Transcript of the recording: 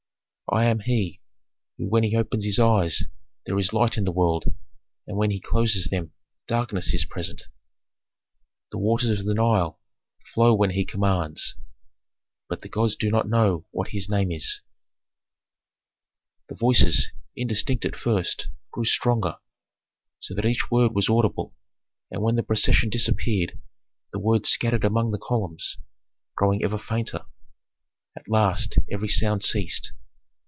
Chorus II. "I am He who when he opens his eyes there is light in the world and when he closes them darkness is present." Chorus I. "The waters of the Nile flow when he commands." Chorus II. "But the gods do not know what his name is." Authentic. The voices, indistinct at first, grew stronger, so that each word was audible, and when the procession disappeared the words scattered among the columns, growing ever fainter. At last every sound ceased.